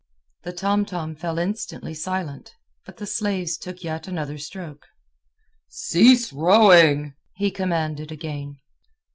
The tomtom fell instantly silent, but the slaves took yet another stroke. "Cease rowing!" he commanded again.